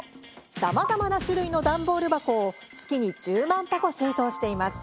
さまざまな種類の段ボール箱を月に１０万箱製造しています。